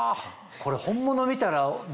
これ本物見たら。